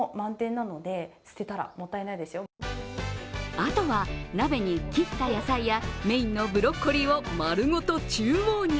あとは鍋に切った野菜やメインのブロッコリーをまるごと中央に。